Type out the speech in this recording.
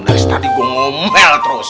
dari tadi gue ngomel terus